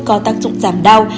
có tác dụng giảm đau